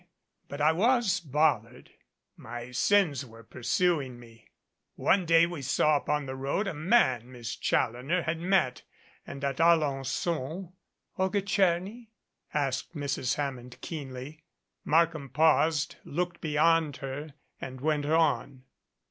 But I was bothered. My sins were pursuing me. One 313 MADCAP day we saw upon the road a man Miss Challoner had met, and at Alen^on " "Olga Tcherny?" asked Mrs. Hammond keenly. Markham paused, looked beyond her and went on.